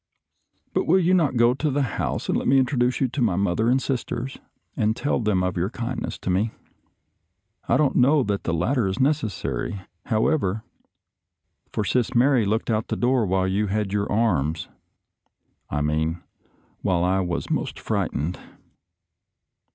" But will you not go to the house 216 SOLDIER'S LETTERS TO CHARMING NELLIE and let me introduce you to my mother and sis ters and tell them of your kindness to me. I don't know that the latter is necessary, however, for Sis Mary looked out of the door while you had your arms — I mean, while I was most fright ened."